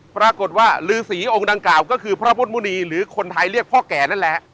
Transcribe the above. หรือว่าลือสีองค์ดังกล่าวก็คือพระพุทธมุณีหรือคนไทยเรียกพ่อแก่นั่นแหละ